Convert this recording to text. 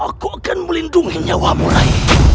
aku akan melindungi nyawa murai